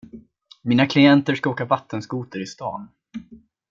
Mina klienter ska åka vattenskoter i stan.